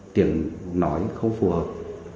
tiếng nói không phù hợp